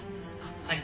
はい。